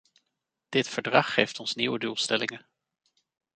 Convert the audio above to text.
Dit verdrag geeft ons nieuwe doelstellingen.